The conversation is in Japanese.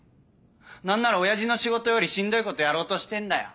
何なら親父の仕事よりしんどいことやろうとしてんだよ。